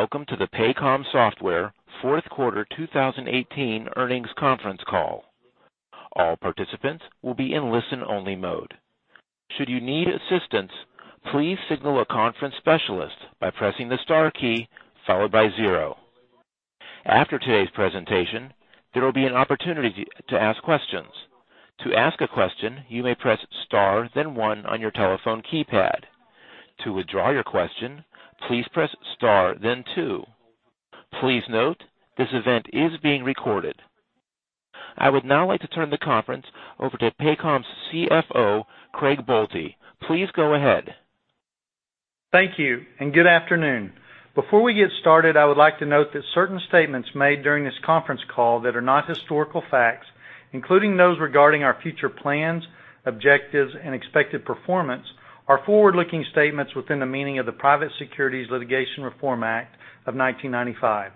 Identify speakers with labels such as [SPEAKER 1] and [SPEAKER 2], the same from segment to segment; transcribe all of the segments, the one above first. [SPEAKER 1] Welcome to the Paycom Software Q4 2018 Earnings Conference Call. All participants will be in listen only mode. Should you need assistance, please signal a conference specialist by pressing the star key followed by zero. After today's presentation, there will be an opportunity to ask questions. To ask a question, you may press star then one on your telephone keypad. To withdraw your question, please press star then two. Please note, this event is being recorded. I would now like to turn the conference over to Paycom's CFO, Craig Boelte. Please go ahead.
[SPEAKER 2] Thank you. Good afternoon. Before we get started, I would like to note that certain statements made during this conference call that are not historical facts, including those regarding our future plans, objectives, and expected performance, are forward-looking statements within the meaning of the Private Securities Litigation Reform Act of 1995.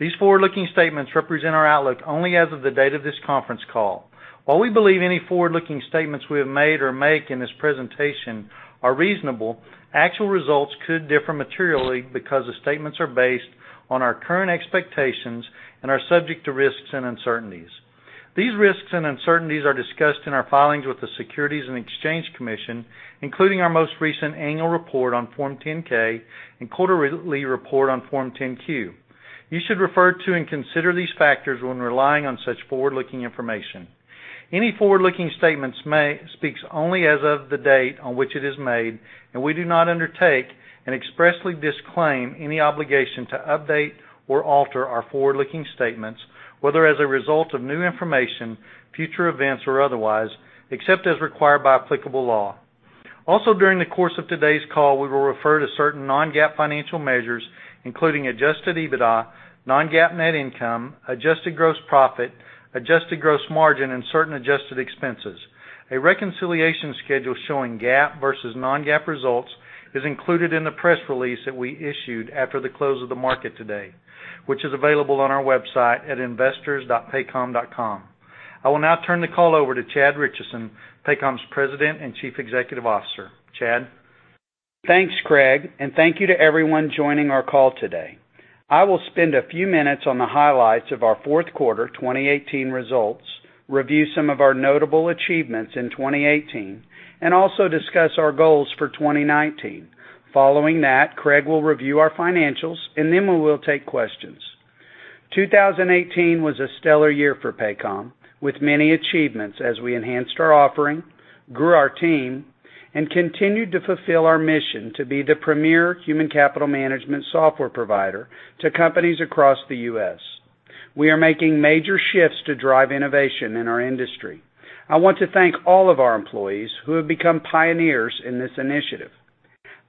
[SPEAKER 2] These forward-looking statements represent our outlook only as of the date of this conference call. While we believe any forward-looking statements we have made or make in this presentation are reasonable, actual results could differ materially because the statements are based on our current expectations and are subject to risks and uncertainties. These risks and uncertainties are discussed in our filings with the Securities and Exchange Commission, including our most recent annual report on Form 10-K and quarterly report on Form 10-Q. You should refer to and consider these factors when relying on such forward-looking information. Any forward-looking statements may speak only as of the date on which it is made, and we do not undertake and expressly disclaim any obligation to update or alter our forward-looking statements, whether as a result of new information, future events, or otherwise, except as required by applicable law. Also, during the course of today's call, we will refer to certain non-GAAP financial measures, including Adjusted EBITDA, non-GAAP net income, adjusted gross profit, adjusted gross margin, and certain adjusted expenses. A reconciliation schedule showing GAAP versus non-GAAP results is included in the press release that we issued after the close of the market today, which is available on our website at investors.paycom.com. I will now turn the call over to Chad Richison, Paycom's President and Chief Executive Officer. Chad?
[SPEAKER 3] Thanks, Craig. Thank you to everyone joining our call today. I will spend a few minutes on the highlights of our Q4 2018 results, review some of our notable achievements in 2018, and also discuss our goals for 2019. Following that, Craig will review our financials, and then we will take questions. 2018 was a stellar year for Paycom, with many achievements as we enhanced our offering, grew our team, and continued to fulfill our mission to be the premier human capital management software provider to companies across the U.S. We are making major shifts to drive innovation in our industry. I want to thank all of our employees who have become pioneers in this initiative.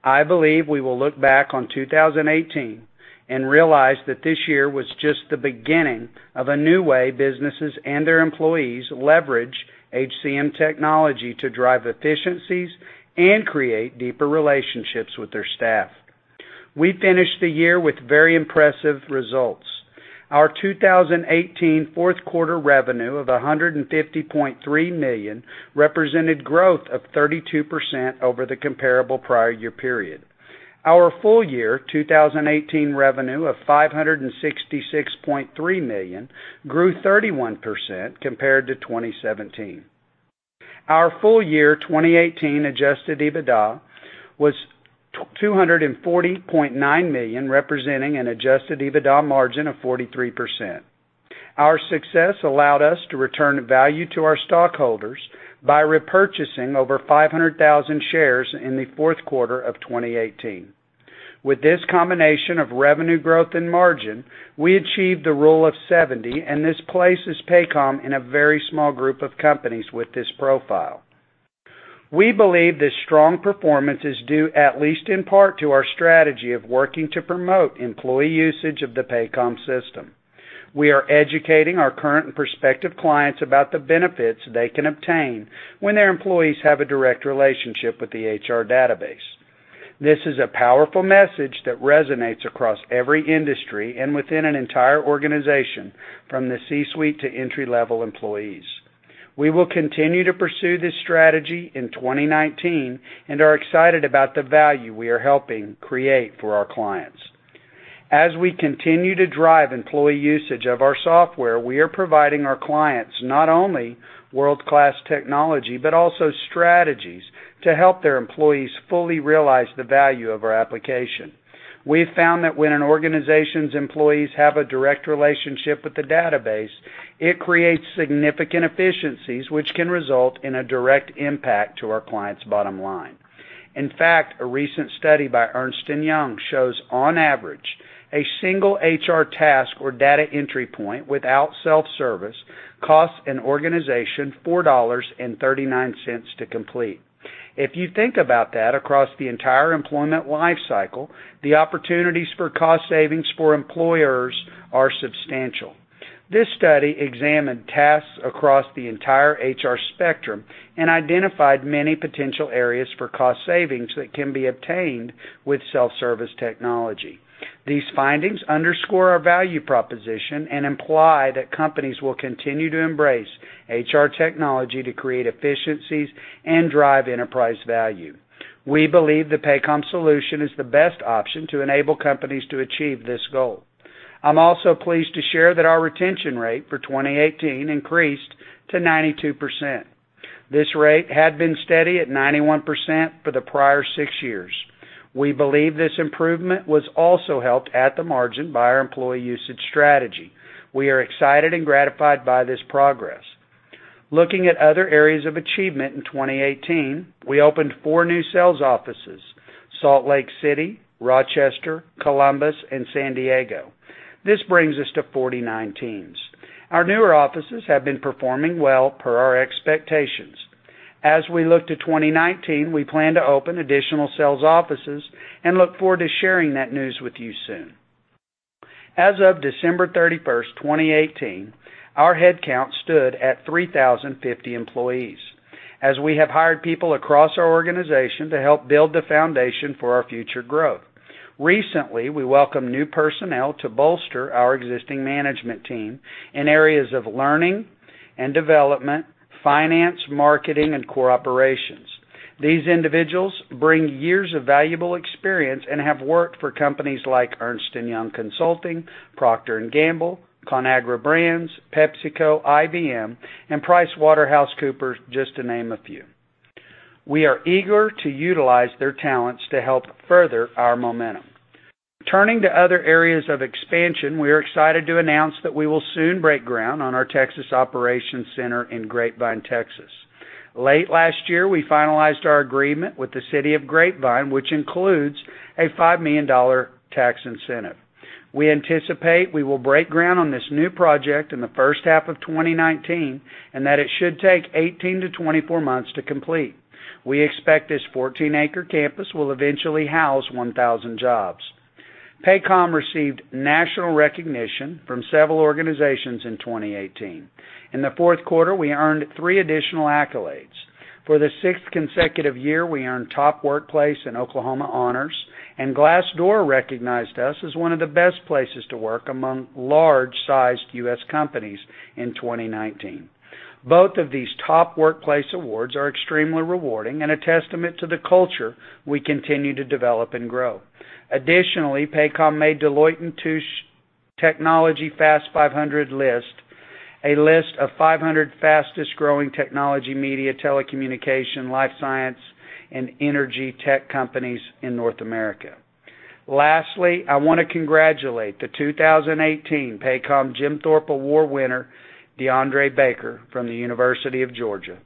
[SPEAKER 3] I believe we will look back on 2018 and realize that this year was just the beginning of a new way businesses and their employees leverage HCM technology to drive efficiencies and create deeper relationships with their staff. We finished the year with very impressive results. Our 2018 Q4 revenue of $150.3 million represented growth of 32% over the comparable prior year period. Our full year 2018 revenue of $566.3 million grew 31% compared to 2017. Our full year 2018 Adjusted EBITDA was $240.9 million, representing an Adjusted EBITDA margin of 43%. Our success allowed us to return value to our stockholders by repurchasing over 500,000 shares in the Q4 of 2018. With this combination of revenue growth and margin, we achieved the rule of 70, and this places Paycom in a very small group of companies with this profile. We believe this strong performance is due at least in part to our strategy of working to promote employee usage of the Paycom system. We are educating our current and prospective clients about the benefits they can obtain when their employees have a direct relationship with the HR database. This is a powerful message that resonates across every industry and within an entire organization, from the C-suite to entry-level employees. We will continue to pursue this strategy in 2019 and are excited about the value we are helping create for our clients. As we continue to drive employee usage of our software, we are providing our clients not only world-class technology but also strategies to help their employees fully realize the value of our application. We've found that when an organization's employees have a direct relationship with the database, it creates significant efficiencies which can result in a direct impact to our clients' bottom line. In fact, a recent study by Ernst & Young shows on average, a single HR task or data entry point without self-service costs an organization $4.39 to complete. If you think about that across the entire employment lifecycle, the opportunities for cost savings for employers are substantial. This study examined tasks across the entire HR spectrum and identified many potential areas for cost savings that can be obtained with self-service technology. These findings underscore our value proposition and imply that companies will continue to embrace HR technology to create efficiencies and drive enterprise value. We believe the Paycom solution is the best option to enable companies to achieve this goal. I'm also pleased to share that our retention rate for 2018 increased to 92%. This rate had been steady at 91% for the prior six years. We believe this improvement was also helped at the margin by our employee usage strategy. We are excited and gratified by this progress. Looking at other areas of achievement in 2018, we opened four new sales offices, Salt Lake City, Rochester, Columbus, and San Diego. This brings us to 49 teams. Our newer offices have been performing well per our expectations. As we look to 2019, we plan to open additional sales offices and look forward to sharing that news with you soon. As of December 31st, 2018, our headcount stood at 3,050 employees, as we have hired people across our organization to help build the foundation for our future growth. Recently, we welcomed new personnel to bolster our existing management team in areas of learning and development, finance, marketing, and core operations. These individuals bring years of valuable experience and have worked for companies like Ernst & Young Consulting, Procter & Gamble, Conagra Brands, PepsiCo, IBM, and PricewaterhouseCoopers, just to name a few. We are eager to utilize their talents to help further our momentum. Turning to other areas of expansion, we are excited to announce that we will soon break ground on our Texas Operations Center in Grapevine, Texas. Late last year, we finalized our agreement with the city of Grapevine, which includes a $5 million tax incentive. We anticipate we will break ground on this new project in the H1 of 2019, and that it should take 18 to 24 months to complete. We expect this 14-acre campus will eventually house 1,000 jobs. Paycom received national recognition from several organizations in 2018. In Q4, we earned three additional accolades. For the sixth consecutive year, we earned Top Workplace and Oklahoma Honors, and Glassdoor recognized us as one of the best places to work among large-sized U.S. companies in 2019. Both of these Top Workplace awards are extremely rewarding and a testament to the culture we continue to develop and grow. Additionally, Paycom made Deloitte Technology Fast 500 list, a list of 500 fastest growing technology, media, telecommunication, life science, and energy tech companies in North America. Lastly, I want to congratulate the 2018 Paycom Jim Thorpe Award winner, Deandre Baker from the University of Georgia.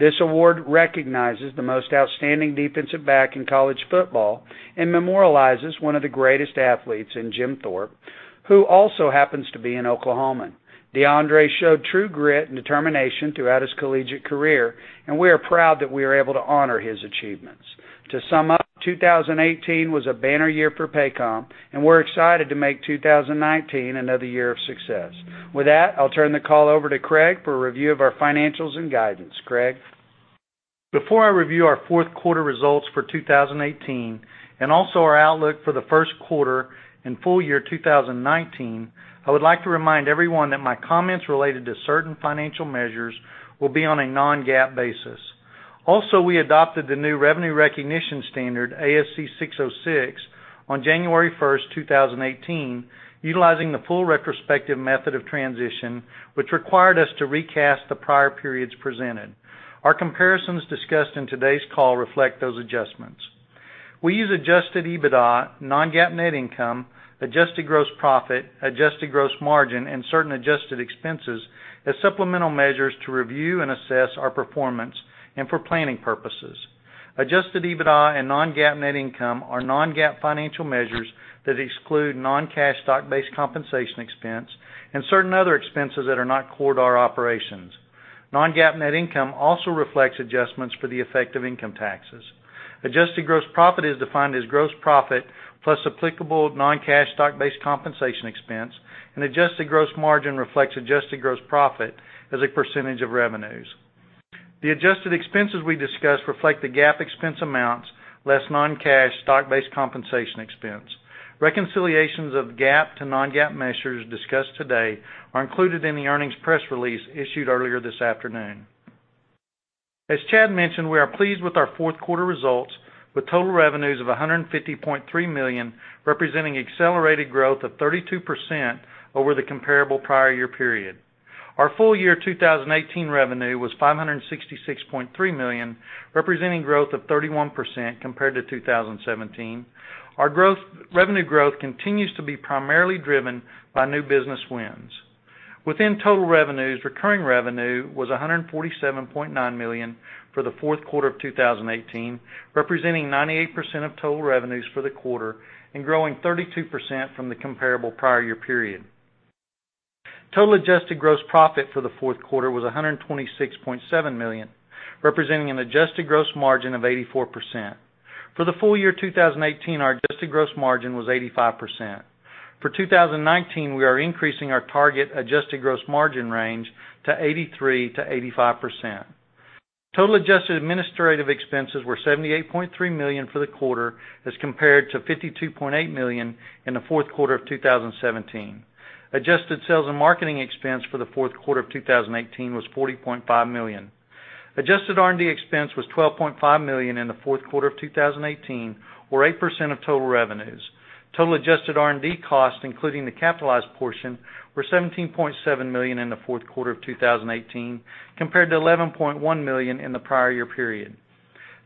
[SPEAKER 3] This award recognizes the most outstanding defensive back in college football and memorializes one of the greatest athletes in Jim Thorpe, who also happens to be an Oklahoman. Deandre showed true grit and determination throughout his collegiate career, and we are proud that we are able to honor his achievements. To sum up, 2018 was a banner year for Paycom, and we're excited to make 2019 another year of success. With that, I'll turn the call over to Craig for a review of our financials and guidance. Craig?
[SPEAKER 2] Before I review our Q4 results for 2018 and also our outlook for the Q1 and full year 2019, I would like to remind everyone that my comments related to certain financial measures will be on a non-GAAP basis. Also, we adopted the new revenue recognition standard, ASC 606, on January 1st, 2018, utilizing the full retrospective method of transition, which required us to recast the prior periods presented. Our comparisons discussed in today's call reflect those adjustments. We use Adjusted EBITDA, non-GAAP net income, adjusted gross profit, adjusted gross margin, and certain adjusted expenses as supplemental measures to review and assess our performance and for planning purposes. Adjusted EBITDA and non-GAAP net income are non-GAAP financial measures that exclude non-cash stock-based compensation expense and certain other expenses that are not core to our operations. Non-GAAP net income also reflects adjustments for the effective income taxes. Adjusted gross profit is defined as gross profit plus applicable non-cash stock-based compensation expense, adjusted gross margin reflects adjusted gross profit as a percentage of revenues. The adjusted expenses we discussed reflect the GAAP expense amounts, less non-cash stock-based compensation expense. Reconciliations of GAAP to non-GAAP measures discussed today are included in the earnings press release issued earlier this afternoon. As Chad mentioned, we are pleased with our Q4 results, with total revenues of $150.3 million, representing accelerated growth of 32% over the comparable prior year period. Our full year 2018 revenue was $566.3 million, representing growth of 31% compared to 2017. Our revenue growth continues to be primarily driven by new business wins. Within total revenues, recurring revenue was $147.9 million for Q4 of 2018, representing 98% of total revenues for the quarter and growing 32% from the comparable prior year period. Total adjusted gross profit for Q4 was $126.7 million, representing an adjusted gross margin of 84%. For the full year 2018, our adjusted gross margin was 85%. For 2019, we are increasing our target adjusted gross margin range to 83%-85%. Total adjusted administrative expenses were $78.3 million for the quarter as compared to $52.8 million in Q4 of 2017. Adjusted sales and marketing expense for the Q4 of 2018 was $40.5 million. Adjusted R&D expense was $12.5 million in the Q4 of 2018, or 8% of total revenues. Total adjusted R&D costs, including the capitalized portion, were $17.7 million in the Q4 of 2018, compared to $11.1 million in the prior year period.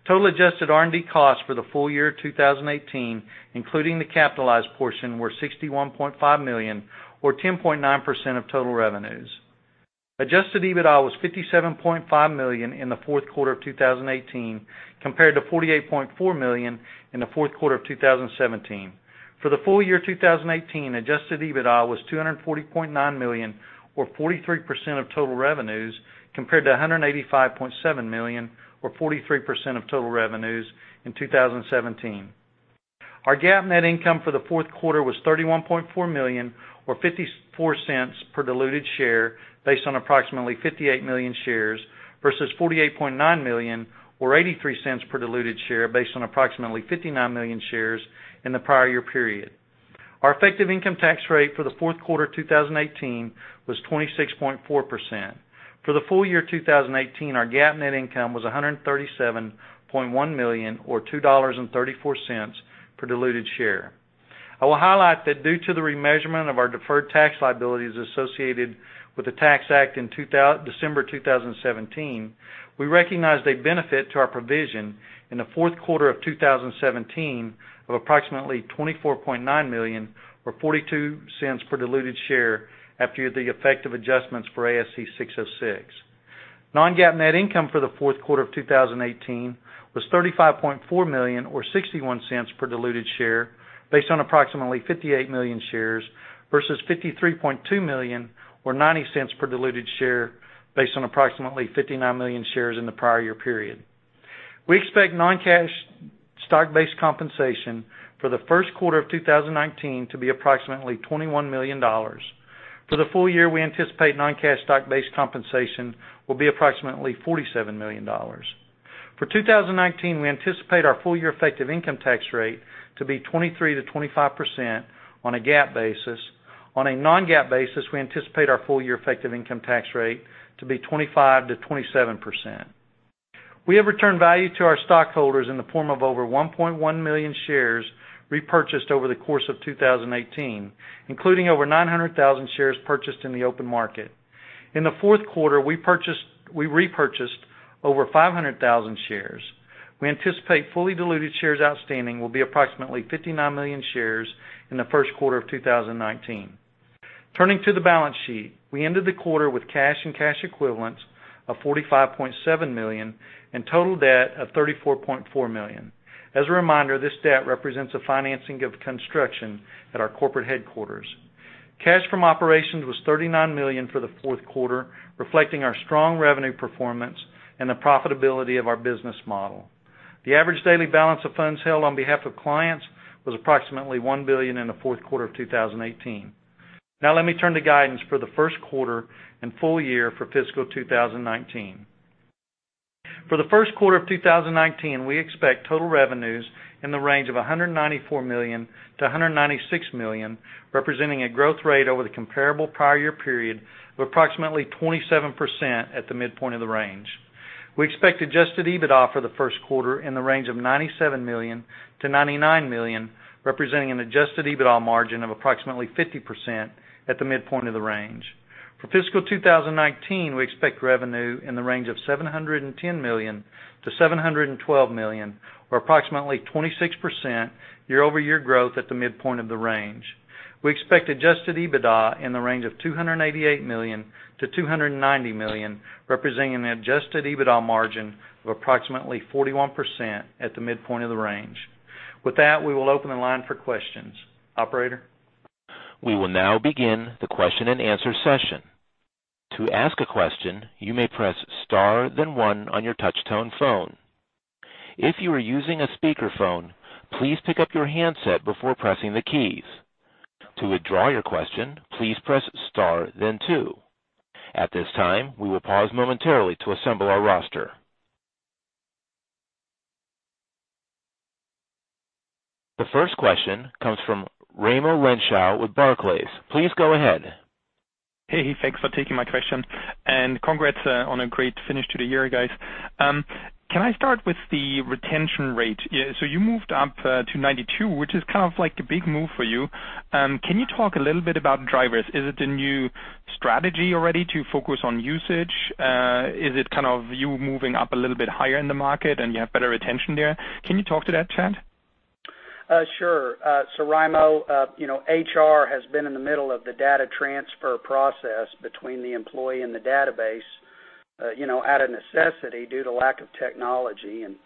[SPEAKER 2] Total adjusted R&D costs for the full year 2018, including the capitalized portion, were $61.5 million or 10.9% of total revenues. Adjusted EBITDA was $57.5 million in the Q4 of 2018, compared to $48.4 million in the Q4 of 2017. For the full year 2018, Adjusted EBITDA was $240.9 million, or 43% of total revenues, compared to $185.7 million, or 43% of total revenues in 2017. Our GAAP net income for Q4 was $31.4 million, or $0.54 per diluted share, based on approximately 58 million shares, versus $48.9 million or $0.83 per diluted share, based on approximately 59 million shares in the prior year period. Our effective income tax rate for the Q4 2018 was 26.4%. For the full year 2018, our GAAP net income was $137.1 million, or $2.34 per diluted share. I will highlight that due to the remeasurement of our deferred tax liabilities associated with the Tax Act in December 2017, we recognized a benefit to our provision in Q4 of 2017 of approximately $24.9 million, or $0.42 per diluted share after the effective adjustments for ASC 606. Non-GAAP net income for the Q4 of 2018 was $35.4 million or $0.61 per diluted share, based on approximately 58 million shares, versus $53.2 million or $0.90 per diluted share, based on approximately 59 million shares in the prior year period. We expect non-cash stock-based compensation for the Q1 of 2019 to be approximately $21 million. For the full year, we anticipate non-cash stock-based compensation will be approximately $47 million. For 2019, we anticipate our full year effective income tax rate to be 23%-25% on a GAAP basis. On a non-GAAP basis, we anticipate our full year effective income tax rate to be 25%-27%. We have returned value to our stockholders in the form of over 1.1 million shares repurchased over the course of 2018, including over 900,000 shares purchased in the open market. In Q4, we repurchased over 500,000 shares. We anticipate fully diluted shares outstanding will be approximately 59 million shares in the Q1 of 2019. Turning to the balance sheet. We ended the quarter with cash and cash equivalents of $45.7 million and total debt of $34.4 million. As a reminder, this debt represents a financing of construction at our corporate headquarters. Cash from operations was $39 million for Q4, reflecting our strong revenue performance and the profitability of our business model. The average daily balance of funds held on behalf of clients was approximately $1 billion in the Q4 of 2018. Let me turn to guidance for the Q1 and full year for fiscal 2019. For the Q1 of 2019, we expect total revenues in the range of $194 million-$196 million, representing a growth rate over the comparable prior year period of approximately 27% at the midpoint of the range. We expect Adjusted EBITDA for the Q1 in the range of $97 million-$99 million, representing an Adjusted EBITDA margin of approximately 50% at the midpoint of the range. For fiscal 2019, we expect revenue in the range of $710 million-$712 million, or approximately 26% year-over-year growth at the midpoint of the range. We expect Adjusted EBITDA in the range of $288 million-$290 million, representing an Adjusted EBITDA margin of approximately 41% at the midpoint of the range. With that, we will open the line for questions. Operator?
[SPEAKER 1] We will now begin the question and answer session. To ask a question, you may press star, then one on your touch tone phone. If you are using a speakerphone, please pick up your handset before pressing the keys. To withdraw your question, please press star, then two. At this time, we will pause momentarily to assemble our roster. The first question comes from Raimo Lenschow with Barclays. Please go ahead.
[SPEAKER 4] Hey, thanks for taking my question, and congrats on a great finish to the year, guys. Can I start with the retention rate? You moved up to 92%, which is kind of like the big move for you. Can you talk a little bit about drivers? Is it a new strategy already to focus on usage? Is it kind of you moving up a little bit higher in the market and you have better retention there? Can you talk to that, Chad?
[SPEAKER 3] Sure. Raimo, HR has been in the middle of the data transfer process between the employee and the database out of necessity due to lack of technology, and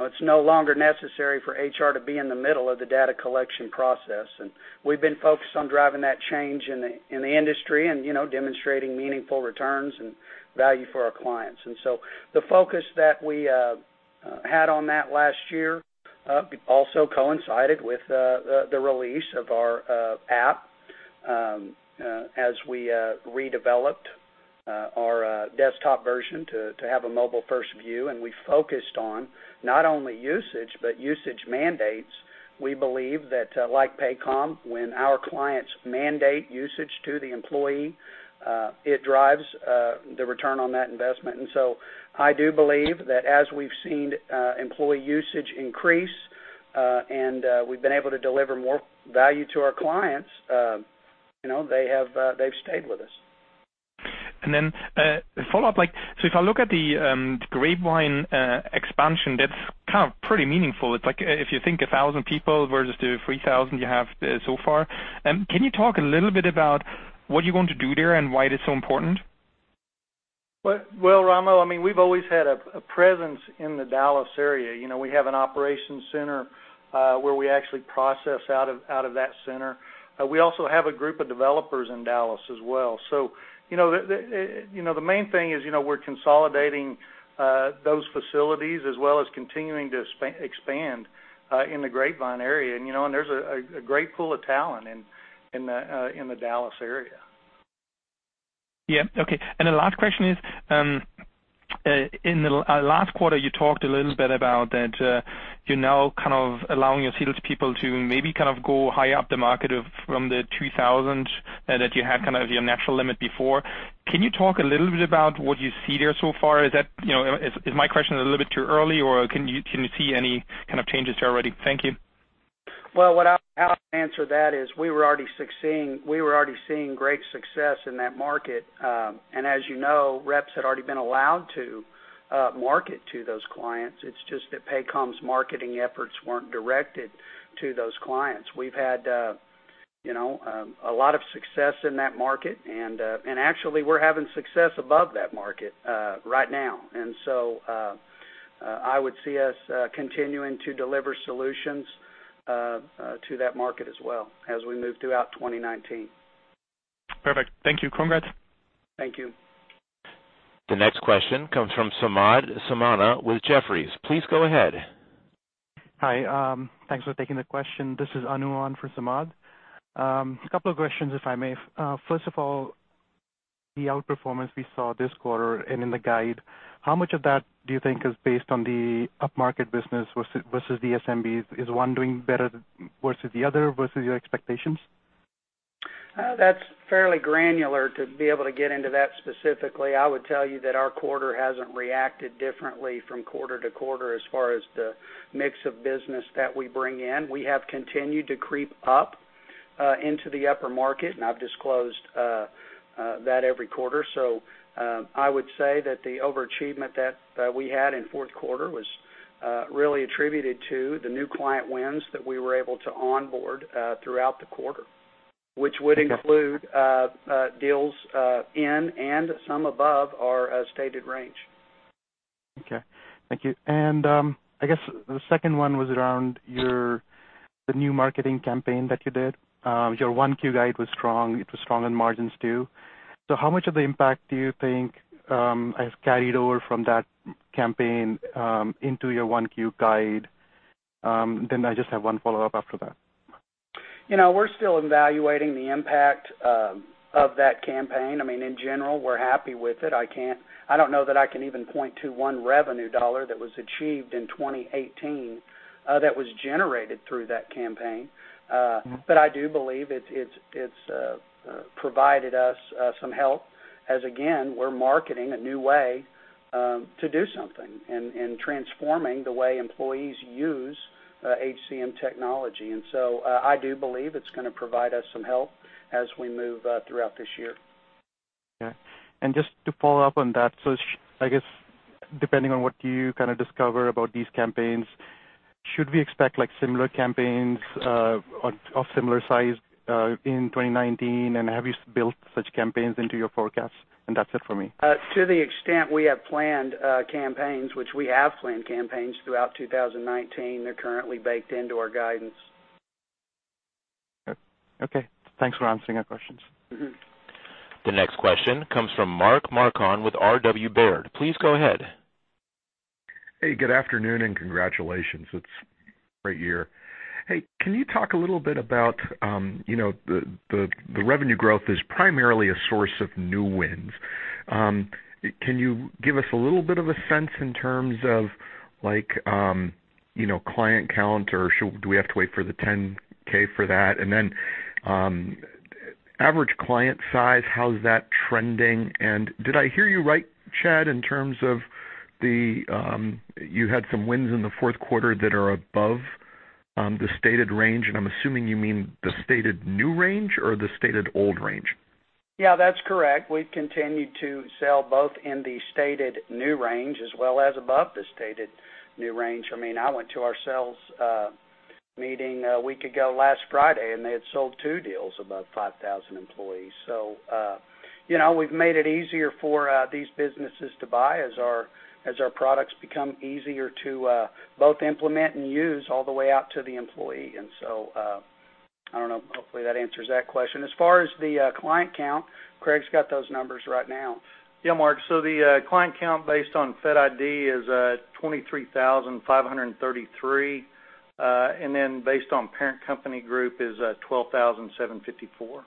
[SPEAKER 3] it's no longer necessary for HR to be in the middle of the data collection process. We've been focused on driving that change in the industry and demonstrating meaningful returns and value for our clients. The focus that we had on that last year also coincided with the release of our app as we redeveloped our desktop version to have a mobile first view. We focused on not only usage, but usage mandates. We believe that, like Paycom, when our clients mandate usage to the employee, it drives the return on that investment. I do believe that as we've seen employee usage increase, and we've been able to deliver more value to our clients, they've stayed with us.
[SPEAKER 4] A follow-up. If I look at the Grapevine expansion, that's kind of pretty meaningful. It's like if you think 1,000 people versus the 3,000 you have so far, can you talk a little bit about what you're going to do there and why it is so important?
[SPEAKER 3] Well, Raimo, we've always had a presence in the Dallas area. We have an operations center where we actually process out of that center. We also have a group of developers in Dallas as well. The main thing is we're consolidating those facilities as well as continuing to expand in the Grapevine area. There's a great pool of talent in the Dallas area.
[SPEAKER 4] Yeah. Okay. The last question is, in the last quarter, you talked a little bit about that you're now kind of allowing your sales people to maybe go high up the market of from the 2,000 that you had kind of your natural limit before. Can you talk a little bit about what you see there so far? Is my question a little bit too early, or can you see any kind of changes there already? Thank you.
[SPEAKER 3] Well, how I'll answer that is we were already seeing great success in that market. As you know, reps had already been allowed to market to those clients. It's just that Paycom's marketing efforts weren't directed to those clients. We've had a lot of success in that market, actually, we're having success above that market right now. I would see us continuing to deliver solutions to that market as well as we move throughout 2019.
[SPEAKER 4] Perfect. Thank you. Congrats.
[SPEAKER 3] Thank you.
[SPEAKER 1] The next question comes from Samad Samana with Jefferies. Please go ahead.
[SPEAKER 5] Hi. Thanks for taking the question. This is Anu on for Samad. Couple of questions, if I may. First of all, the outperformance we saw this quarter and in the guide, how much of that do you think is based on the upmarket business versus the SMBs? Is one doing better versus the other, versus your expectations?
[SPEAKER 3] That's fairly granular to be able to get into that specifically. I would tell you that our quarter hasn't reacted differently from quarter to quarter as far as the mix of business that we bring in. We have continued to creep up into the upper market, and I've disclosed that every quarter. I would say that the overachievement that we had in Q4 was really attributed to the new client wins that we were able to onboard throughout the quarter, which would include deals in and some above our stated range.
[SPEAKER 5] Okay. Thank you. I guess the second one was around the new marketing campaign that you did. Your Q1 guide was strong. It was strong in margins, too. How much of the impact do you think has carried over from that campaign into your Q1 guide? I just have one follow-up after that.
[SPEAKER 3] We're still evaluating the impact of that campaign. In general, we're happy with it. I don't know that I can even point to one revenue dollar that was achieved in 2018, that was generated through that campaign. I do believe it's provided us some help as, again, we're marketing a new way to do something and transforming the way employees use HCM technology. I do believe it's going to provide us some help as we move throughout this year.
[SPEAKER 5] Okay. Just to follow up on that, I guess depending on what you discover about these campaigns, should we expect similar campaigns of similar size in 2019, have you built such campaigns into your forecast? That's it for me.
[SPEAKER 3] To the extent we have planned campaigns, which we have planned campaigns throughout 2019, they're currently baked into our guidance.
[SPEAKER 5] Okay. Thanks for answering our questions.
[SPEAKER 1] The next question comes from Mark Marcon with Robert W. Baird. Please go ahead.
[SPEAKER 6] Good afternoon, and congratulations. It's a great year. Can you talk a little bit about the revenue growth is primarily a source of new wins. Can you give us a little bit of a sense in terms of client count, or do we have to wait for the 10-K for that? Average client size, how's that trending? Did I hear you right, Chad, in terms of you had some wins in Q4 that are above the stated range, and I'm assuming you mean the stated new range or the stated old range?
[SPEAKER 3] That's correct. We've continued to sell both in the stated new range as well as above the stated new range. I went to our sales meeting a week ago last Friday, they had sold two deals above 5,000 employees. We've made it easier for these businesses to buy as our products become easier to both implement and use all the way out to the employee. I don't know. Hopefully, that answers that question. As far as the client count, Craig's got those numbers right now.
[SPEAKER 2] Mark. The client count based on Fed ID is 23,533, and then based on parent company group is 12,754.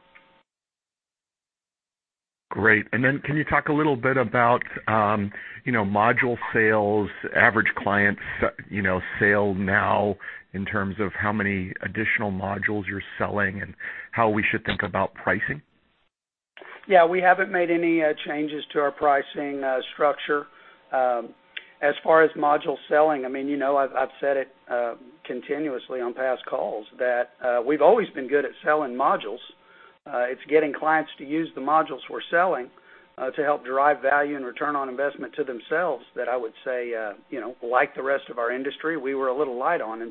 [SPEAKER 6] Great. Can you talk a little bit about module sales, average client sale now in terms of how many additional modules you're selling and how we should think about pricing?
[SPEAKER 3] Yeah. We haven't made any changes to our pricing structure. As far as module selling, I've said it continuously on past calls that we've always been good at selling modules. It's getting clients to use the modules we're selling to help derive value and ROI to themselves that I would say, like the rest of our industry, we were a little light on.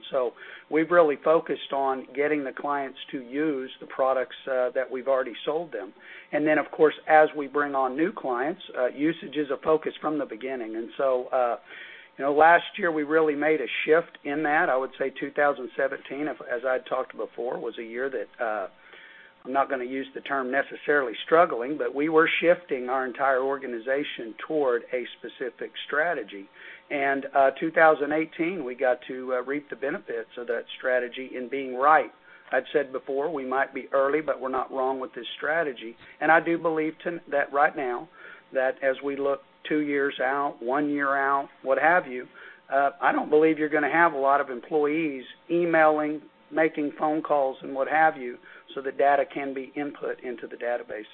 [SPEAKER 3] We've really focused on getting the clients to use the products that we've already sold them. Of course, as we bring on new clients, usage is a focus from the beginning. Last year, we really made a shift in that. I would say 2017, as I had talked before, was a year that, I'm not going to use the term necessarily struggling, but we were shifting our entire organization toward a specific strategy. 2018, we got to reap the benefits of that strategy in being right. I've said before, we might be early, but we're not wrong with this strategy. I do believe that right now that as we look two years out, one year out, what have you, I don't believe you're going to have a lot of employees emailing, making phone calls and what have you, so the data can be input into the database.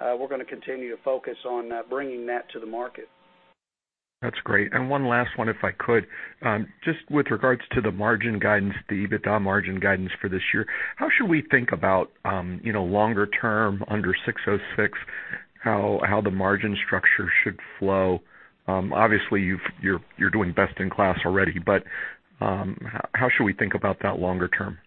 [SPEAKER 3] We're going to continue to focus on bringing that to the market.
[SPEAKER 6] That's great. One last one, if I could. Just with regards to the margin guidance, the EBITDA margin guidance for this year, how should we think about longer term under 606, how the margin structure should flow? Obviously, you're doing best in class already, how should we think about that longer term?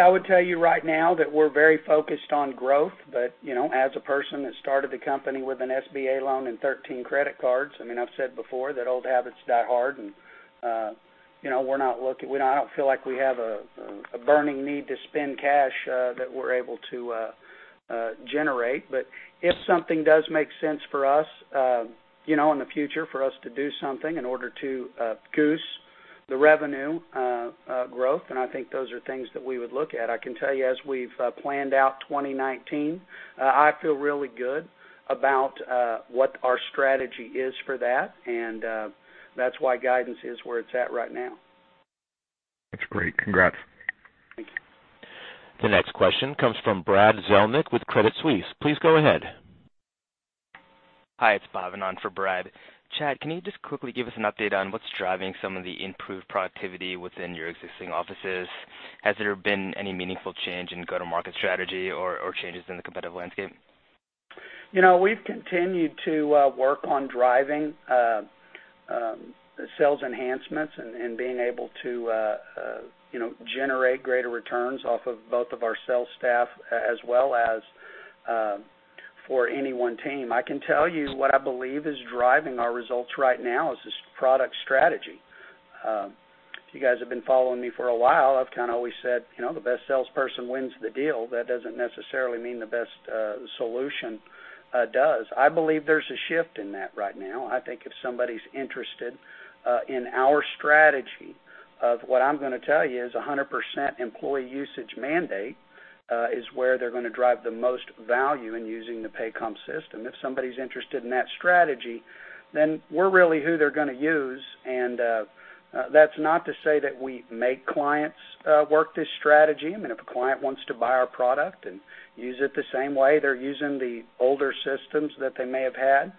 [SPEAKER 3] I would tell you right now that we're very focused on growth. As a person that started the company with an SBA loan and 13 credit cards, I've said before that old habits die hard, I don't feel like we have a burning need to spend cash that we're able to generate. If something does make sense for us in the future for us to do something in order to goose the revenue growth, I think those are things that we would look at. I can tell you, as we've planned out 2019, I feel really good about what our strategy is for that's why guidance is where it's at right now.
[SPEAKER 6] That's great. Congrats.
[SPEAKER 3] Thank you.
[SPEAKER 1] The next question comes from Brad Zelnick with Credit Suisse. Please go ahead.
[SPEAKER 7] Hi, it's Bhavin for Brad. Chad, can you just quickly give us an update on what's driving some of the improved productivity within your existing offices? Has there been any meaningful change in go-to-market strategy or changes in the competitive landscape?
[SPEAKER 3] We've continued to work on driving sales enhancements and being able to generate greater returns off of both of our sales staff as well as for any one team. I can tell you what I believe is driving our results right now is this product strategy. If you guys have been following me for a while, I've kind of always said, the best salesperson wins the deal. That doesn't necessarily mean the best solution does. I believe there's a shift in that right now. I think if somebody's interested in our strategy of what I'm going to tell you is 100% employee usage mandate is where they're going to drive the most value in using the Paycom system. If somebody's interested in that strategy, then we're really who they're going to use, and that's not to say that we make clients work this strategy. If a client wants to buy our product and use it the same way they're using the older systems that they may have had,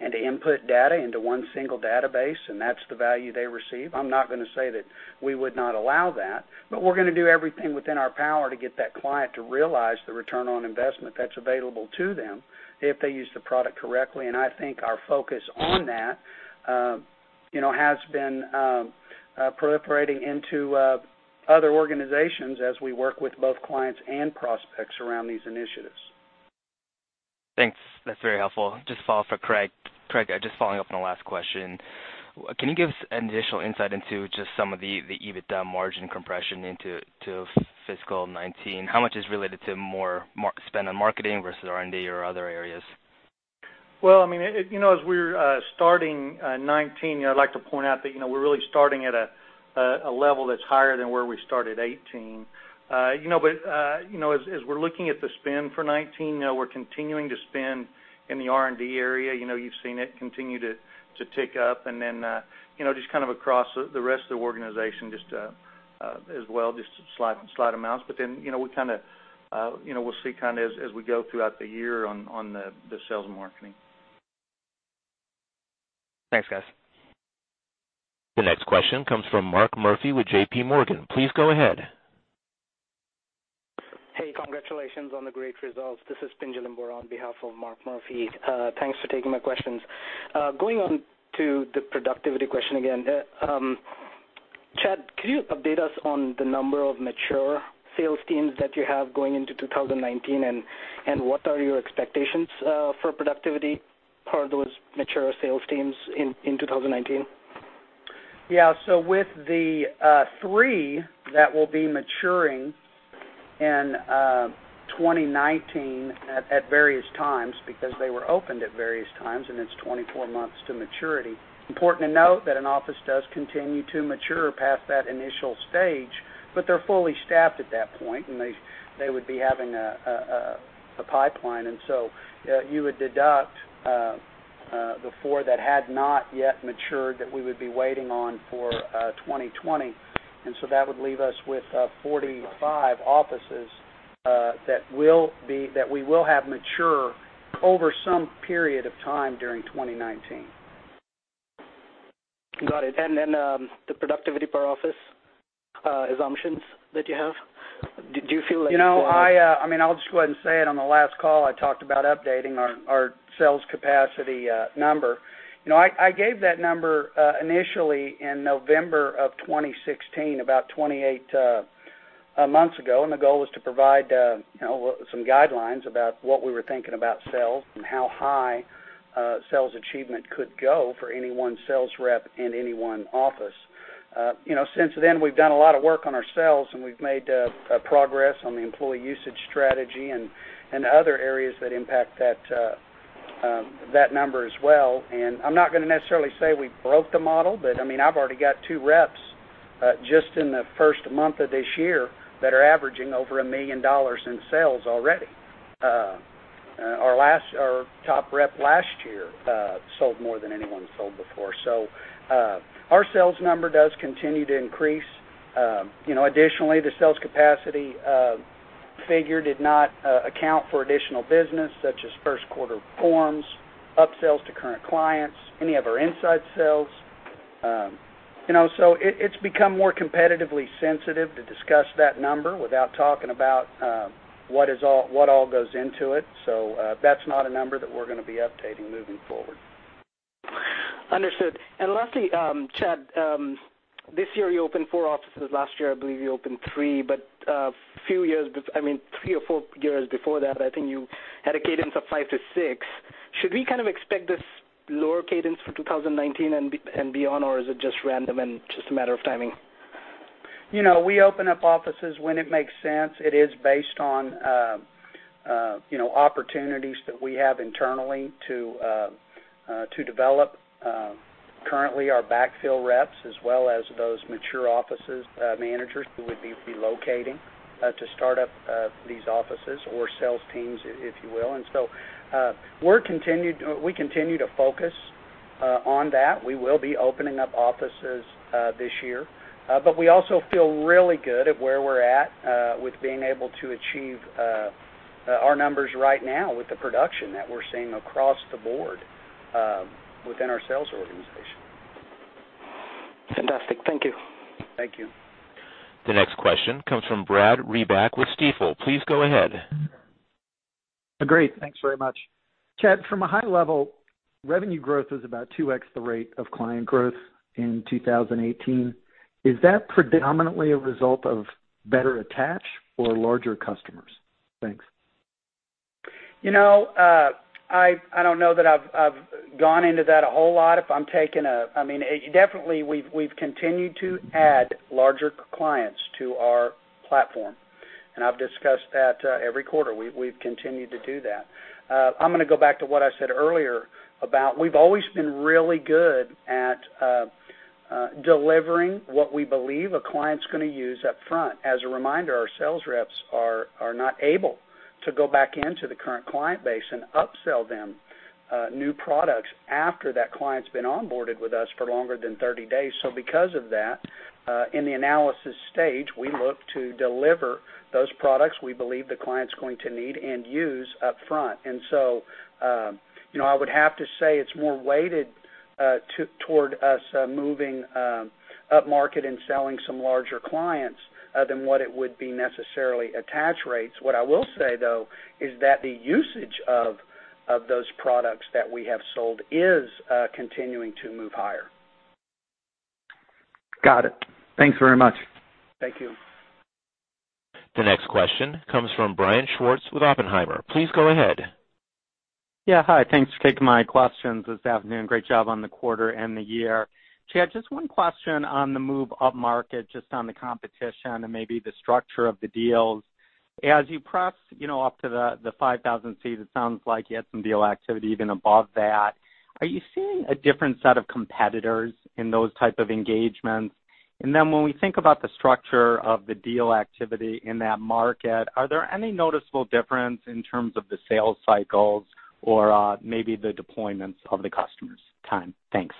[SPEAKER 3] and to input data into one single database, and that's the value they receive, I'm not going to say that we would not allow that. We're going to do everything within our power to get that client to realize the ROI that's available to them if they use the product correctly. I think our focus on that has been proliferating into other organizations as we work with both clients and prospects around these initiatives.
[SPEAKER 7] Thanks. That's very helpful. Just follow up for Craig. Craig Boelte, just following up on the last question. Can you give us an additional insight into just some of the EBITDA margin compression into fiscal 2019? How much is related to more spend on marketing versus R&D or other areas?
[SPEAKER 2] Well, as we're starting 2019, I'd like to point out that we're really starting at a level that's higher than where we started 2018. As we're looking at the spend for 2019, we're continuing to spend in the R&D area. You've seen it continue to tick up, then just kind of across the rest of the organization just as well, just slight amounts. Then we'll see as we go throughout the year on the sales and marketing.
[SPEAKER 7] Thanks, guys.
[SPEAKER 1] The next question comes from Mark Murphy with J.P. Morgan. Please go ahead.
[SPEAKER 8] Hey, congratulations on the great results. This is Pinjalim Bora on behalf of Mark Murphy. Thanks for taking my questions. Going on to the productivity question again. Chad, could you update us on the number of mature sales teams that you have going into 2019, and what are your expectations for productivity for those mature sales teams in 2019?
[SPEAKER 3] Yeah. With the three that will be maturing in 2019 at various times, because they were opened at various times, and it's 24 months to maturity. Important to note that an office does continue to mature past that initial stage, but they're fully staffed at that point, and they would be having a pipeline. You would deduct before that had not yet matured that we would be waiting on for 2020. That would leave us with 45 offices that we will have mature over some period of time during 2019.
[SPEAKER 8] Got it. The productivity per office assumptions that you have, do you feel like-
[SPEAKER 3] I'll just go ahead and say it. On the last call, I talked about updating our sales capacity number. I gave that number initially in November 2016, about 28 months ago. The goal was to provide some guidelines about what we were thinking about sales and how high sales achievement could go for any one sales rep in any one office. Since then, we've done a lot of work on our sales, and we've made progress on the employee usage strategy and other areas that impact that number as well. I'm not going to necessarily say we broke the model, but I've already got two reps just in the first month of this year that are averaging over $1 million in sales already. Our top rep last year sold more than anyone sold before. Our sales number does continue to increase. Additionally, the sales capacity figure did not account for additional business such as Q1 forms, upsells to current clients, any of our inside sales. It's become more competitively sensitive to discuss that number without talking about what all goes into it. That's not a number that we're going to be updating moving forward.
[SPEAKER 8] Understood. Lastly, Chad, this year you opened four offices. Last year, I believe you opened three, but three or four years before that, I think you had a cadence of five to six. Should we kind of expect this lower cadence for 2019 and beyond or is it just random and just a matter of timing?
[SPEAKER 3] We open up offices when it makes sense. It is based on opportunities that we have internally to develop. Currently, our backfill reps as well as those mature office managers who would be relocating to start up these offices or sales teams, if you will. We continue to focus on that. We will be opening up offices this year. We also feel really good at where we're at with being able to achieve our numbers right now with the production that we're seeing across the board within our sales organization.
[SPEAKER 8] Fantastic. Thank you.
[SPEAKER 3] Thank you.
[SPEAKER 1] The next question comes from Brad Reback with Stifel. Please go ahead.
[SPEAKER 9] Great. Thanks very much. Chad, from a high level, revenue growth is about 2x the rate of client growth in 2018. Is that predominantly a result of better attach or larger customers? Thanks.
[SPEAKER 3] I don't know that I've gone into that a whole lot. Definitely, we've continued to add larger clients to our platform. I've discussed that every quarter. We've continued to do that. I'm going to go back to what I said earlier about we've always been really good at delivering what we believe a client's going to use up front. As a reminder, our sales reps are not able to go back into the current client base and upsell them new products after that client's been onboarded with us for longer than 30 days. Because of that, in the analysis stage, we look to deliver those products we believe the client's going to need and use up front. I would have to say it's more weighted toward us moving upmarket and selling some larger clients than what it would be necessarily attach rates. What I will say, though, is that the usage of those products that we have sold is continuing to move higher.
[SPEAKER 9] Got it. Thanks very much.
[SPEAKER 3] Thank you.
[SPEAKER 1] The next question comes from Brian Schwartz with Oppenheimer. Please go ahead.
[SPEAKER 10] Hi. Thanks for taking my questions this afternoon. Great job on the quarter and the year. Chad, just one question on the move upmarket, just on the competition and maybe the structure of the deals. As you press up to the 5,000 seat, it sounds like you had some deal activity even above that. Are you seeing a different set of competitors in those type of engagements? Then when we think about the structure of the deal activity in that market, are there any noticeable difference in terms of the sales cycles or maybe the deployments of the customers? Time. Thanks.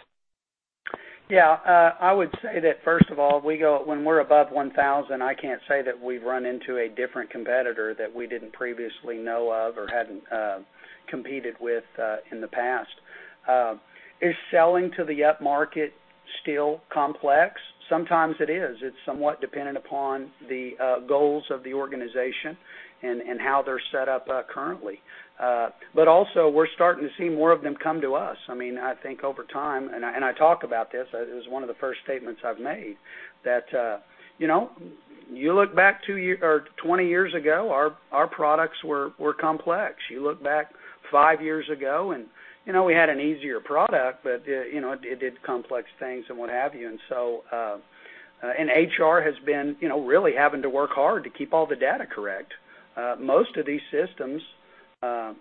[SPEAKER 3] I would say that, first of all, when we're above 1,000, I can't say that we've run into a different competitor that we didn't previously know of or hadn't competed with in the past. Is selling to the upmarket still complex? Sometimes it is. It's somewhat dependent upon the goals of the organization and how they're set up currently. Also, we're starting to see more of them come to us. I think over time, I talk about this as one of the first statements I've made, that you look back 20 years ago, our products were complex. You look back five years ago, we had an easier product, but it did complex things and what have you. HR has been really having to work hard to keep all the data correct. Most of these systems, whether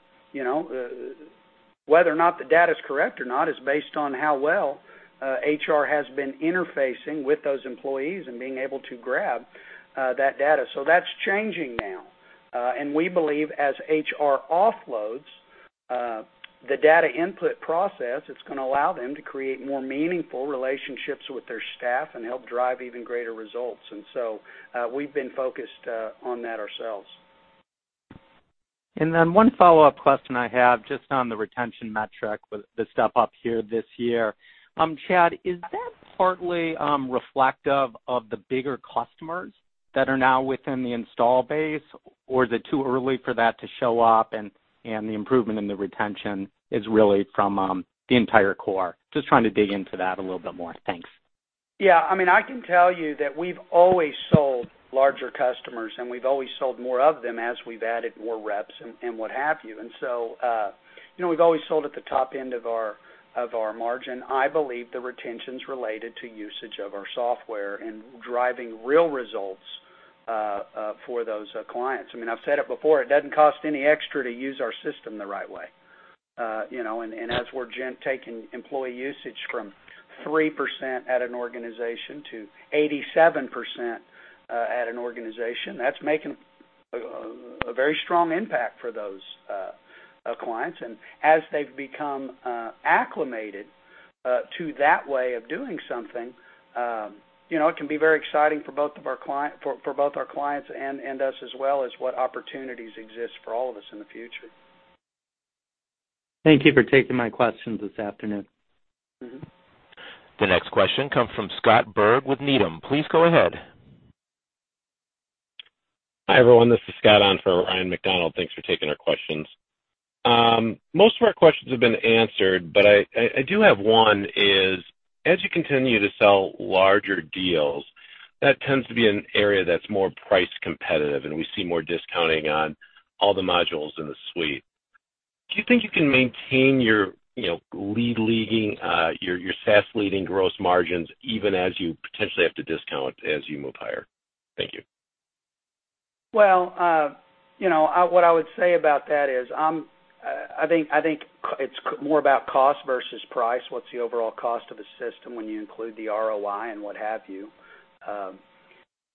[SPEAKER 3] or not the data's correct or not is based on how well HR has been interfacing with those employees and being able to grab that data. That's changing now. We believe as HR offloads the data input process, it's going to allow them to create more meaningful relationships with their staff and help drive even greater results. We've been focused on that ourselves.
[SPEAKER 10] One follow-up question I have, just on the retention metric with the step-up here this year. Chad, is that partly reflective of the bigger customers that are now within the install base, or is it too early for that to show up and the improvement in the retention is really from the entire core? Just trying to dig into that a little bit more. Thanks.
[SPEAKER 3] I can tell you that we've always sold larger customers, we've always sold more of them as we've added more reps and what have you. We've always sold at the top end of our margin. I believe the retention's related to usage of our software and driving real results for those clients. I've said it before, it doesn't cost any extra to use our system the right way. As we're taking employee usage from 3% at an organization to 87% at an organization, that's making a very strong impact for those clients. As they've become acclimated to that way of doing something, it can be very exciting for both our clients and us as well as what opportunities exist for all of us in the future.
[SPEAKER 10] Thank you for taking my questions this afternoon.
[SPEAKER 1] The next question comes from Scott Berg with Needham. Please go ahead.
[SPEAKER 11] Hi, everyone. This is Scott on for Ryan MacDonald. Thanks for taking our questions. Most of our questions have been answered, I do have one is, as you continue to sell larger deals, that tends to be an area that's more price competitive, we see more discounting on all the modules in the suite. Do you think you can maintain your leading, your SaaS-leading gross margins, even as you potentially have to discount as you move higher? Thank you.
[SPEAKER 3] What I would say about that is, I think it's more about cost versus price. What's the overall cost of the system when you include the ROI and what have you?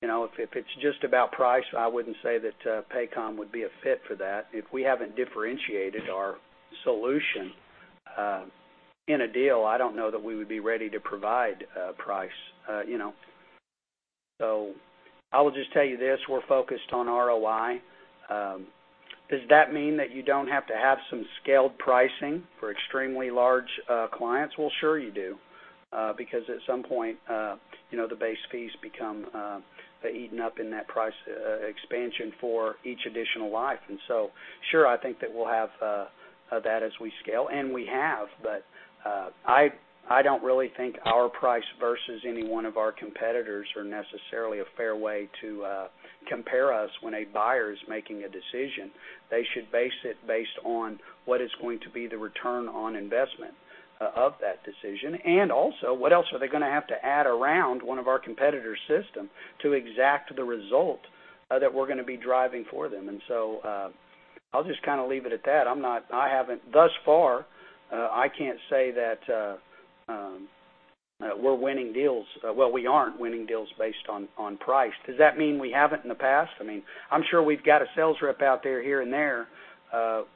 [SPEAKER 3] If it's just about price, I wouldn't say that Paycom would be a fit for that. If we haven't differentiated our solution in a deal, I don't know that we would be ready to provide a price. I will just tell you this, we're focused on ROI. Does that mean that you don't have to have some scaled pricing for extremely large clients? Sure you do, because at some point, the base fees become eaten up in that price expansion for each additional life. Sure, I think that we'll have that as we scale, and we have, but I don't really think our price versus any one of our competitors are necessarily a fair way to compare us when a buyer is making a decision. They should base it based on what is going to be the return on investment of that decision, and also, what else are they going to have to add around one of our competitor's system to exact the result that we're going to be driving for them. I'll just leave it at that. Thus far, I can't say that we're winning deals. We aren't winning deals based on price. Does that mean we haven't in the past? I'm sure we've got a sales rep out there, here and there,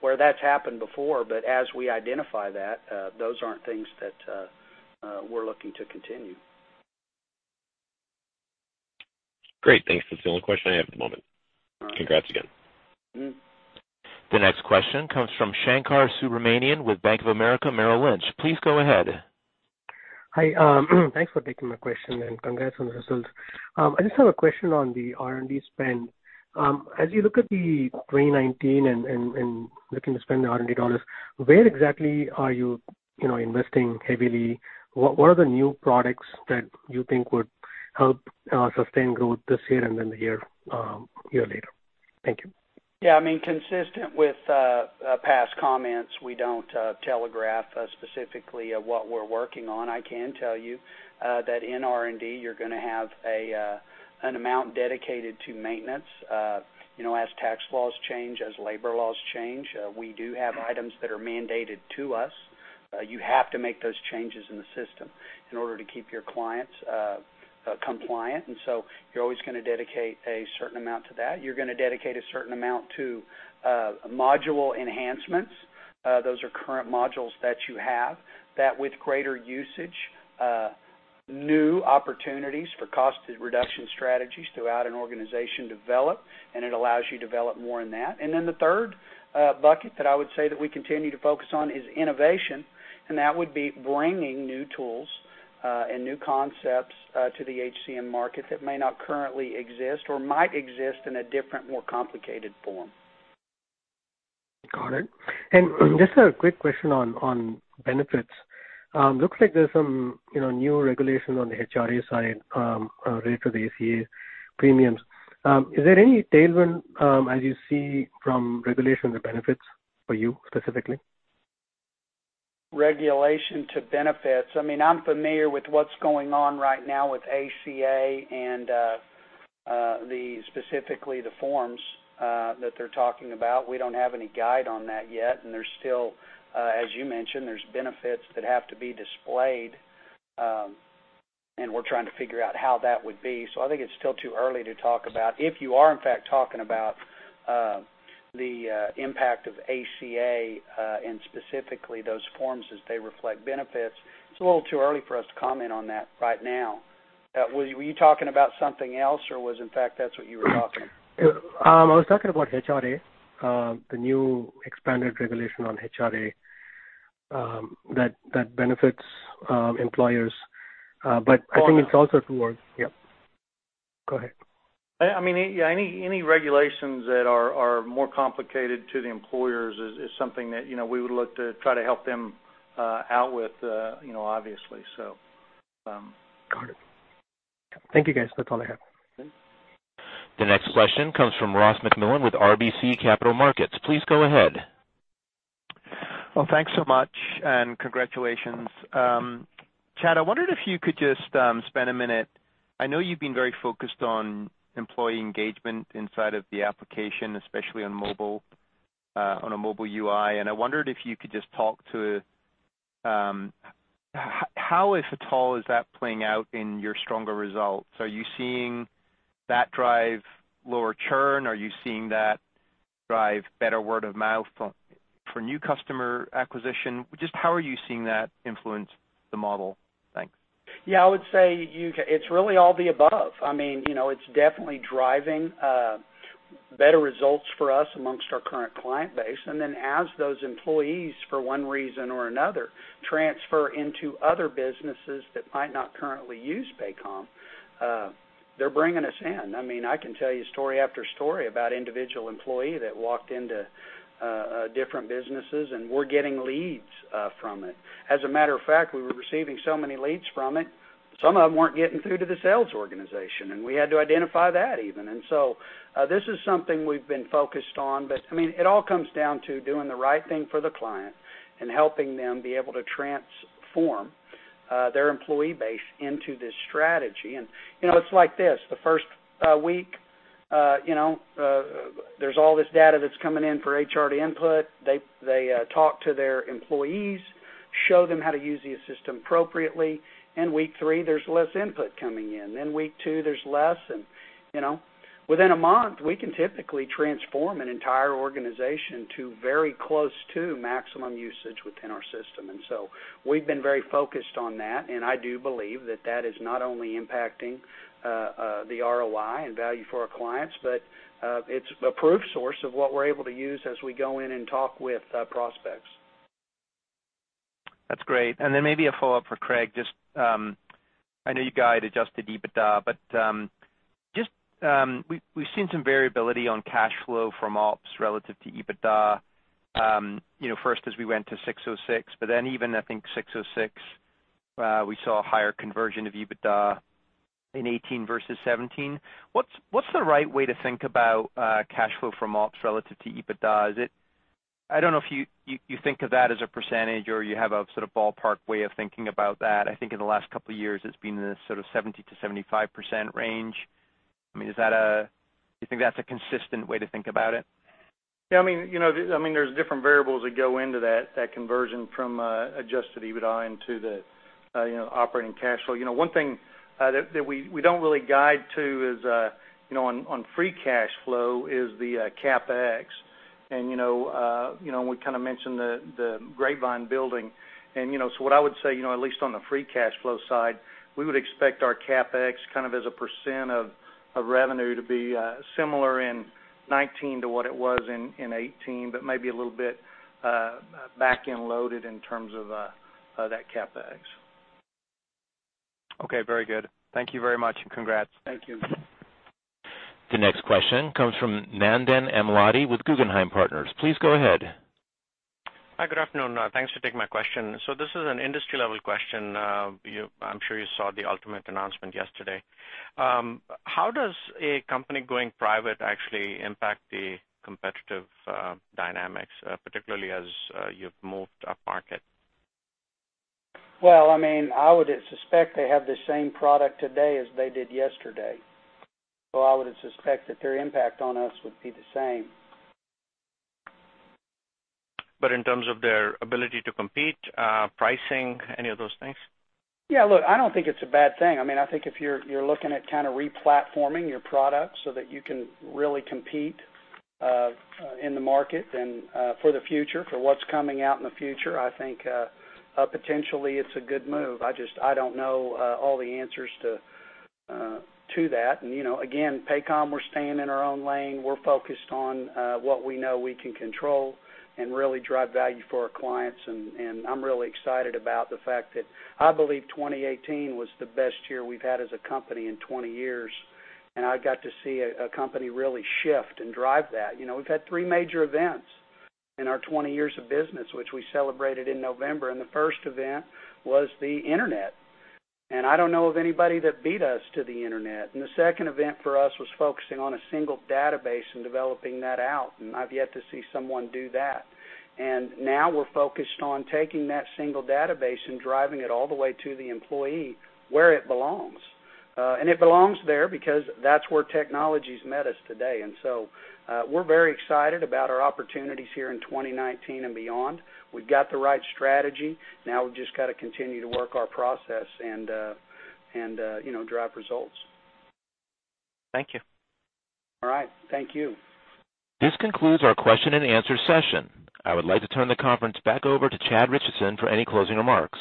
[SPEAKER 3] where that's happened before, but as we identify that, those aren't things that we're looking to continue.
[SPEAKER 11] Great. Thanks. That's the only question I have at the moment.
[SPEAKER 3] All right.
[SPEAKER 11] Congrats again.
[SPEAKER 1] The next question comes from Shankar Subramanian with Bank of America Merrill Lynch. Please go ahead.
[SPEAKER 12] Hi. Thanks for taking my question, and congrats on the results. I just have a question on the R&D spend. As you look at the 2019 and looking to spend the R&D dollars, where exactly are you investing heavily? What are the new products that you think would help sustain growth this year and then the year later? Thank you.
[SPEAKER 3] Yeah. Consistent with past comments, we don't telegraph specifically what we're working on. I can tell you that in R&D, you're going to have an amount dedicated to maintenance. As tax laws change, as labor laws change, we do have items that are mandated to us. You have to make those changes in the system in order to keep your clients compliant, you're always going to dedicate a certain amount to that. You're going to dedicate a certain amount to module enhancements. Those are current modules that you have, that with greater usage, new opportunities for cost reduction strategies throughout an organization develop, it allows you to develop more in that. The third bucket that I would say that we continue to focus on is innovation, that would be bringing new tools and new concepts to the HCM market that may not currently exist or might exist in a different, more complicated form.
[SPEAKER 12] Got it. Just a quick question on benefits. Looks like there's some new regulations on the HRA side related to the ACA premiums. Is there any tailwind, as you see, from regulation to benefits for you specifically?
[SPEAKER 3] Regulation to benefits. I'm familiar with what's going on right now with ACA specifically the forms that they're talking about. We don't have any guide on that yet, as you mentioned, there's benefits that have to be displayed. We're trying to figure out how that would be. I think it's still too early to talk about, if you are in fact talking about the impact of ACA specifically those forms as they reflect benefits, it's a little too early for us to comment on that right now. Were you talking about something else, or was it, in fact, that's what you were talking?
[SPEAKER 12] I was talking about HRA, the new expanded regulation on HRA, that benefits employers. Yeah. Go ahead.
[SPEAKER 3] Any regulations that are more complicated to the employers is something that we would look to try to help them out with, obviously.
[SPEAKER 12] Got it. Thank you, guys. That's all I have.
[SPEAKER 1] The next question comes from Ross MacMillan with RBC Capital Markets. Please go ahead.
[SPEAKER 13] Well, thanks so much, and congratulations. Chad, I wondered if you could just spend a minute I know you've been very focused on employee engagement inside of the application, especially on a mobile UI, and I wondered if you could just talk to how, if at all, is that playing out in your stronger results? Are you seeing that drive lower churn? Are you seeing that drive better word of mouth for new customer acquisition? Just how are you seeing that influence the model? Thanks.
[SPEAKER 3] Yeah, I would say it's really all the above. It's definitely driving better results for us amongst our current client base, and then as those employees, for one reason or another, transfer into other businesses that might not currently use Paycom, they're bringing us in. I can tell you story after story about individual employee that walked into different businesses, and we're getting leads from it. As a matter of fact, we were receiving so many leads from it, some of them weren't getting through to the sales organization, and we had to identify that even. This is something we've been focused on, but it all comes down to doing the right thing for the client and helping them be able to transform their employee base into this strategy. It's like this, the first week there's all this data that's coming in for HR to input. They talk to their employees, show them how to use the system appropriately. In week three, there's less input coming in. Week two, there's less. Within a month, we can typically transform an entire organization to very close to maximum usage within our system. We've been very focused on that, and I do believe that that is not only impacting the ROI and value for our clients, but it's a proof source of what we're able to use as we go in and talk with prospects.
[SPEAKER 13] That's great. Maybe a follow-up for Craig, just I know you guide Adjusted EBITDA, but we've seen some variability on cash flow from ops relative to EBITDA. First as we went to 606, but even, I think, 606, we saw a higher conversion of EBITDA in 2018 versus 2017. What's the right way to think about cash flow from ops relative to EBITDA? I don't know if you think of that as a percentage or you have a sort of ballpark way of thinking about that. I think in the last couple of years, it's been in the 70%-75% range. Do you think that's a consistent way to think about it?
[SPEAKER 2] Yeah. There's different variables that go into that conversion from Adjusted EBITDA into the operating cash flow. One thing that we don't really guide to is on free cash flow is the CapEx. We kind of mentioned the Grapevine building. What I would say, at least on the free cash flow side, we would expect our CapEx kind of as a percent of revenue to be similar in 2019 to what it was in 2018, but maybe a little bit back-end loaded in terms of that CapEx.
[SPEAKER 13] Okay. Very good. Thank you very much, and congrats.
[SPEAKER 2] Thank you.
[SPEAKER 1] The next question comes from Nandan Amladi with Guggenheim Partners. Please go ahead.
[SPEAKER 14] Hi, good afternoon. Thanks for taking my question. This is an industry-level question. I'm sure you saw the Ultimate announcement yesterday. How does a company going private actually impact the competitive dynamics, particularly as you've moved up market?
[SPEAKER 3] Well, I would suspect they have the same product today as they did yesterday. I would suspect that their impact on us would be the same.
[SPEAKER 14] In terms of their ability to compete, pricing, any of those things?
[SPEAKER 3] Yeah, look, I don't think it's a bad thing. I think if you're looking at kind of re-platforming your product so that you can really compete in the market and for the future, for what's coming out in the future, I think, potentially it's a good move. I don't know all the answers to that. Again, Paycom, we're staying in our own lane. We're focused on what we know we can control and really drive value for our clients. I'm really excited about the fact that I believe 2018 was the best year we've had as a company in 20 years, and I got to see a company really shift and drive that. We've had three major events in our 20 years of business, which we celebrated in November, the first event was the internet. I don't know of anybody that beat us to the internet. The second event for us was focusing on a single database and developing that out, and I've yet to see someone do that. Now we're focused on taking that single database and driving it all the way to the employee where it belongs. It belongs there because that's where technology's met us today. We're very excited about our opportunities here in 2019 and beyond. We've got the right strategy. Now we've just got to continue to work our process and drive results.
[SPEAKER 14] Thank you.
[SPEAKER 3] All right. Thank you.
[SPEAKER 1] This concludes our question and answer session. I would like to turn the conference back over to Chad Richison for any closing remarks.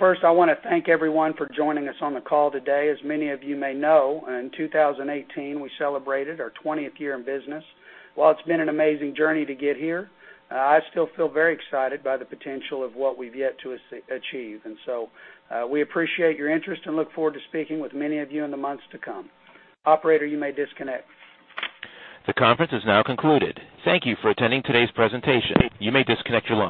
[SPEAKER 3] First, I want to thank everyone for joining us on the call today. As many of you may know, in 2018, we celebrated our 20th year in business. While it's been an amazing journey to get here, I still feel very excited by the potential of what we've yet to achieve. We appreciate your interest and look forward to speaking with many of you in the months to come. Operator, you may disconnect.
[SPEAKER 1] The conference is now concluded. Thank you for attending today's presentation. You may disconnect your line.